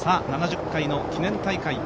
７０回の記念大会